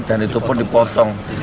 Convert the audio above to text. dan itu pun dipotong